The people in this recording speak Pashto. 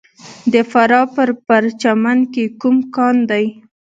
د فراه په پرچمن کې کوم کان دی؟